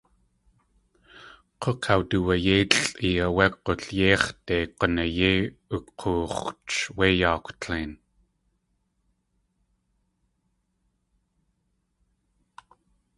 K̲ukawduyéilʼi áwé Galyéx̲dei g̲unayéi uk̲oox̲ch wéi yaakw tlein.